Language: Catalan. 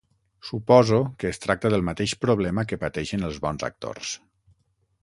Suposo que es tracta del mateix problema que pateixen els bons actors.